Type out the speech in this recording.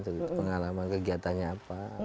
cerita pengalaman kegiatannya apa